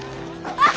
あっ！